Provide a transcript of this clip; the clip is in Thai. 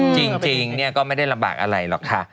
จริงก็ไม่ได้ลำบากอะไรหรอกค่ะ